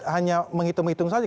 hanya menghitung hitung saja